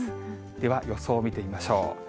では、予想見てみましょう。